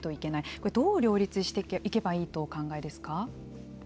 これ、どう両立していけばいいとお考えですか。